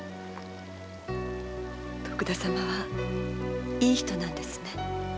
徳田様はいい人ですね。